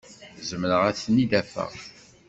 Zemreɣ ad ten-id-afeɣ.